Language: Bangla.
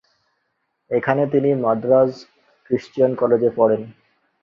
এখানে তিনি মাদ্রাজ ক্রিশ্চিয়ান কলেজে পড়েন।